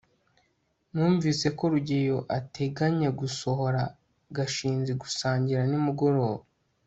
numvise ko rugeyo ateganya gusohora gashinzi gusangira nimugoroba